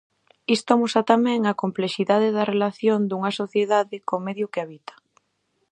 Isto amosa tamén a complexidade da relación dunha sociedade co medio que habita.